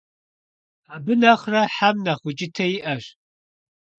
Абы нэхърэ хьэм нэхъ укӀытэ иӀэщ.